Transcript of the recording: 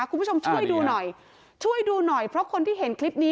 คุณผู้ชมช่วยดูหน่อยช่วยดูหน่อยเพราะคนที่เห็นคลิปนี้